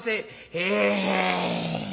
「へえ。